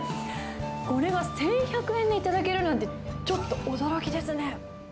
これが１１００円で頂けるなんて、ちょっと驚きですね。